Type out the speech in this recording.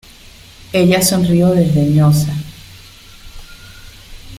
ella sonrió desdeñosa: